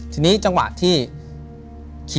ถูกต้องไหมครับถูกต้องไหมครับ